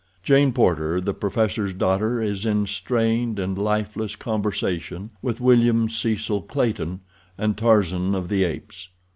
Jane Porter, the professor's daughter, is in strained and lifeless conversation with William Cecil Clayton and Tarzan of the Apes.